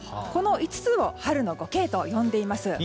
この５つを春の５Ｋと呼んでいます。